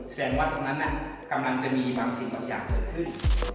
แสดงว่าตรงนั้นกำลังจะมีบางสิ่งบางอย่างเกิดขึ้น